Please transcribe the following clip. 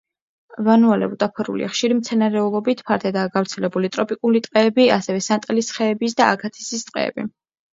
ვანუა-ლევუ დაფარულია ხშირი მცენარეულობით, ფართედაა გავრცელებული ტროპიკული ტყეები, ასევე სანტალის ხეების და აგათისის ტყეები.